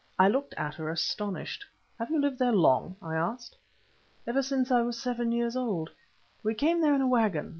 I looked at her astonished. "Have you lived there long?" I asked. "Ever since I was seven years old. We came there in a waggon.